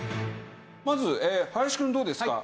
まず林くんどうですか？